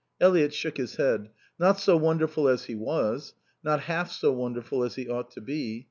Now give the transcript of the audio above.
Eliot shook his head. "Not so wonderful as he was. Not half so wonderful as he ought to be.